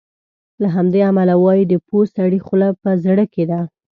له همدې امله وایي د پوه سړي خوله په زړه کې ده.